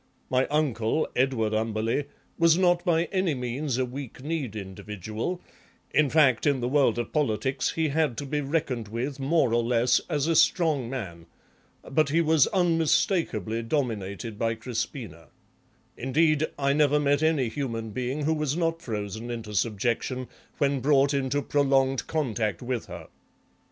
My uncle, Edward Umberleigh, was not by any means a weak kneed individual, in fact in the world of politics he had to be reckoned with more or less as a strong man, but he was unmistakably dominated by Crispina; indeed I never met any human being who was not frozen into subjection when brought into prolonged contact with her.